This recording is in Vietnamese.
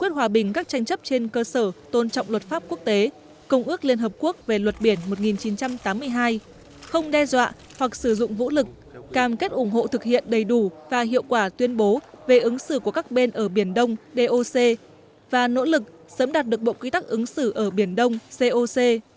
quyết hòa bình các tranh chấp trên cơ sở tôn trọng luật pháp quốc tế công ước liên hợp quốc về luật biển một nghìn chín trăm tám mươi hai không đe dọa hoặc sử dụng vũ lực cam kết ủng hộ thực hiện đầy đủ và hiệu quả tuyên bố về ứng xử của các bên ở biển đông doc và nỗ lực sớm đạt được bộ quy tắc ứng xử ở biển đông coc